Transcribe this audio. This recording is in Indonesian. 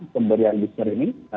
pemberian risiko ini